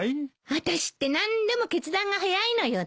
あたしって何でも決断が早いのよね。